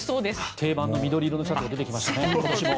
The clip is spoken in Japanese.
定番の緑色のシャツが出てきましたね。